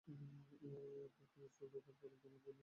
এরপর Chris Old তার পরিবর্তে অধিনায়কের দায়িত্ব গ্রহণ করেন।